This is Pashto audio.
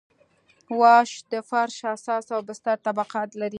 واش د فرش اساس او بستر طبقات لري